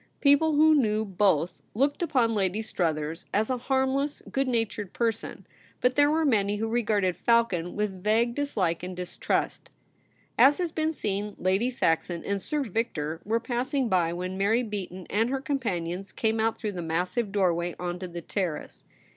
People who knew both looked upon Lady Struthers as a harmless, good natured person, but there were many who re garded Falcon with vague dislike and distrust. As has been seen, Lady Saxon and Sir Victor were passing by when Mary Beaton and her companions came out through the massive doorway on to the Terrace.